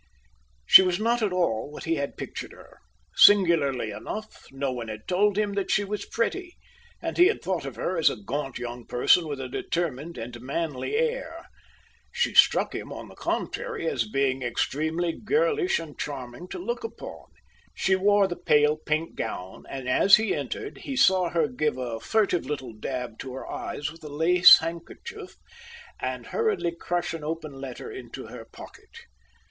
She was not at all what he had pictured her. Singularly enough, no one had told him that she was pretty; and he had thought of her as a gaunt young person, with a determined and manly air. She struck him, on the contrary, as being extremely girlish and charming to look upon. She wore the pale pink gown; and as he entered he saw her give a furtive little dab to her eyes with a lace handkerchief, and hurriedly crush an open letter into her pocket.